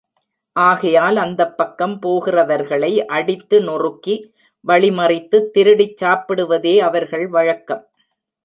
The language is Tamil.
ஆகையால் அந்தப் பக்கம் போகிறவர்களை அடித்து நொறுக்கி வழி மறித்துத் திருடிச் சாப்பிடுவதே அவர்கள் வழக்கம்.